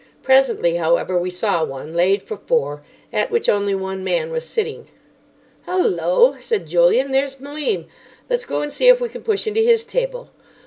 Presently, however, we saw one, laid for four, at which only one man was sitting. "Hullo!" said Julian, "there's Malim. Let's go and see if we can push into his table.